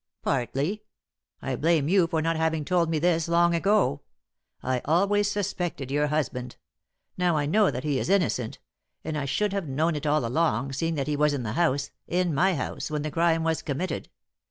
"Partly. I blame you for not having told me this long ago. I always suspected your husband. Now I know that he is innocent; and I should have known it all along, seeing that he was in the house in my house when the crime was committed.